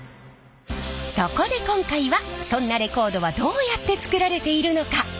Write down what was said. そこで今回はそんなレコードはどうやって作られているのか。